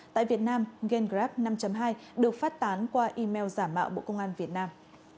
tại việt nam ganrab năm hai được phát tán qua email giả mạo bộ công an việt nam